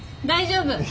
大丈夫。